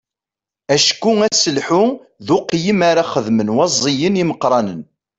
Acku aselḥu d uqeyyem ara xedmen waẓiyen imeqqranen.